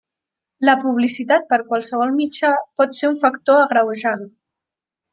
La publicitat per qualsevol mitjà pot ser un factor agreujant.